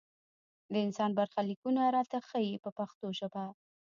د انسان برخلیکونه راته ښيي په پښتو ژبه.